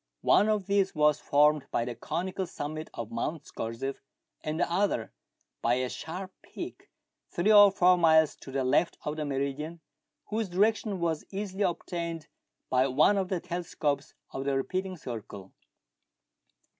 One of these was formed by the conical summit of Mount Scorzef, and the other by a sharp peak three or four miles to the left of the meridian, whose direction was easily obtained by one of the telescopes of the repeating circle.